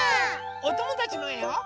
おともだちのえを。